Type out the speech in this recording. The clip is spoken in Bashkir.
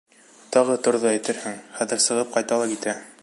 Тағы торҙо, әйтерһең, хәҙер сығып ҡайта ла китә.